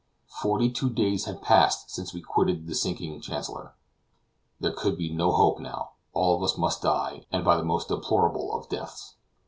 Forty two days had passed since we quitted the sinking Chancellor. There could be no hope now; all of us must die, and by the most deplorable of deaths.